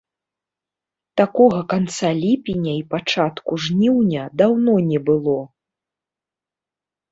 Такога канца ліпеня і пачатку жніўня даўно не было.